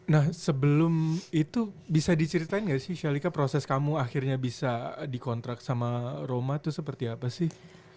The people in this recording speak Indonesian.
nah sebelum itu bisa diceritain nggak sih shalika proses kamu akhirnya bisa dikontrak sama roma itu seperti apa sih